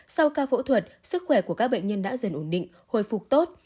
sau ca phẫu thuật sức khỏe của các bệnh nhân đã dần ổn định hồi phục tốt